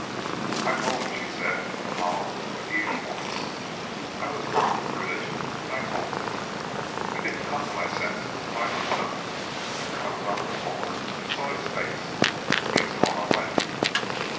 "I told him," she said, in a hollow but even voice. "I was drunk with religion, and I told him. I didn't come to my senses till I looked up I was on the floor and saw his face. He has gone away."